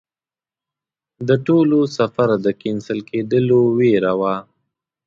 د ټول سفر د کېنسل کېدلو ویره وه.